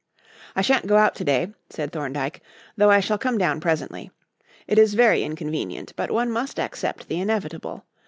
"I shan't go out to day," said Thorndyke, "though I shall come down presently. It is very inconvenient, but one must accept the inevitable.